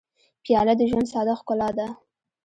پیاله د ژوند ساده ښکلا ده.